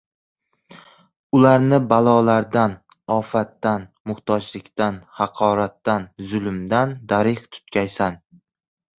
Ularni balolardan, ofatdan, muhtojlikdan, haqoratdan, zulmdan darig‘ tutgaysan…